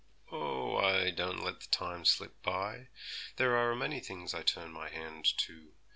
'Oh, I don't let the time slip by; there are a many things I turn my hand to.